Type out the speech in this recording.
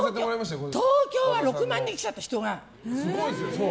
東京は６万人来ちゃって。